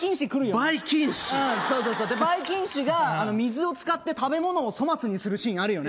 ばいきん氏ばいきん氏が水を使って食べ物を粗末にするシーンあるよね